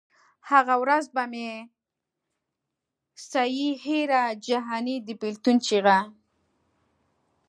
هغه ورځ به مي سي هېره جهاني د بېلتون چیغه